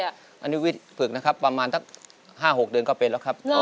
อันนี้วิทย์ฝึกนะครับประมาณสัก๕๖เดือนก็เป็นแล้วครับ